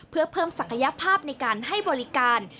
เพื่อเพิ่มศักยภาพในการให้บริการ